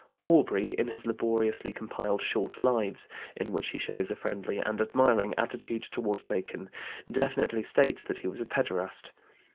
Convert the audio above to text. Aubrey in his laboriously compiled Short Lives, in which he shows a friendly and admiring attitude toward Bacon, definitely states that he was a pederast.